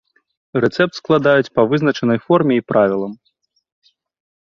Рэцэпт складаюць па вызначанай форме і правілам.